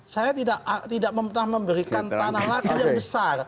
saya tidak mempunyai tanah lagi yang besar